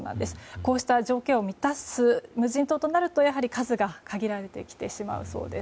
こうした条件を満たす無人島となるとやはり数が限られてきてしまうそうです。